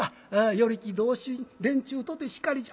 与力同心連中とてしかりじゃ。